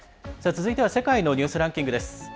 続いては「世界のニュースランキング」。